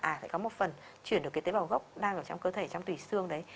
à sẽ có một phần chuyển được cái tế bào gốc đang ở trong cơ thể trong tùy xương đấy